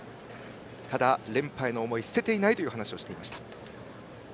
ただ、連覇への思いを捨てていないという話をしています。